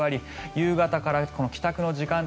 夕方から帰宅の時間帯